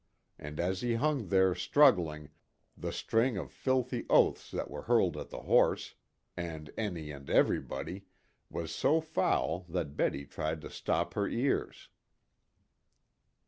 And as he hung there struggling, the string of filthy oaths that were hurled at the horse, and any and everybody, was so foul that Betty tried to stop her ears.